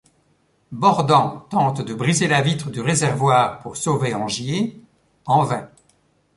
Borden tente de briser la vitre du réservoir pour sauver Angier, en vain.